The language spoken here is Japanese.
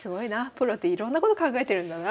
プロっていろんなこと考えてるんだな。